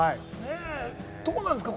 どうなんですか？